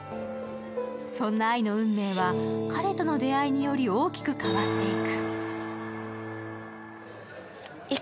そんな愛の運命は彼との出会いにより大きく変わっていく。